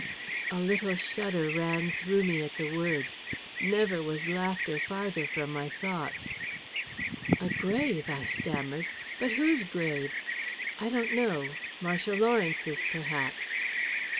A little shudder ran through me at the words; never was laughter farther from my thoughts. "A grave!" I stammered. "But whose grave?" "I don't know Marcia Lawrence's, perhaps."